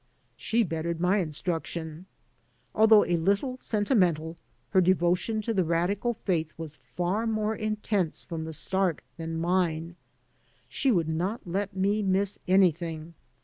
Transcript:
She bettered my instruction. Although a little sentimental, her devotion to the radical faith was far more intense from the start than mine. She would not let me miss anything.